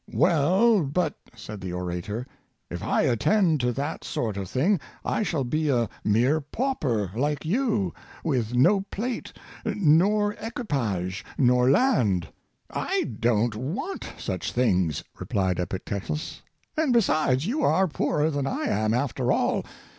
— "Well, but," said the orator, " if I attend to that sort of thing, I shall be a mere pauper, like you, with no plate, nor equipage, nor land." —'^ I don't want such things," re plied Epictetus; "and besides, you are poorer than I am, after all.